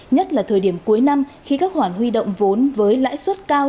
nhất là thời điểm cuối năm khi các khoản huy động vốn với lãi suất cao